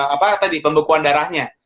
apa tadi pembekuan darahnya